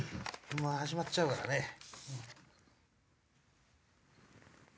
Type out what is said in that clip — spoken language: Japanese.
もう始まっちゃうからね。